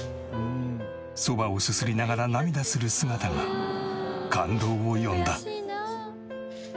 そばをすすりながら涙する姿が感動を呼んだ。